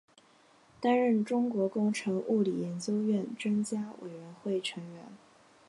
担任中国工程物理研究院专家委员会成员。